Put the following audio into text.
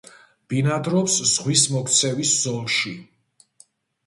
ბინადრობს ზღვის მოქცევის ზოლში.